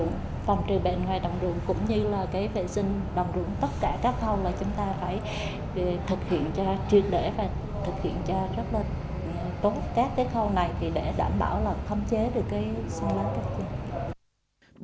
bệnh ngoài đằng rượu cũng như là cái vệ sinh đằng rượu tất cả các khâu là chúng ta phải thực hiện cho truyền lễ và thực hiện cho rất là tốt các cái khâu này để đảm bảo là thâm chế được cái xoăn lá cà chua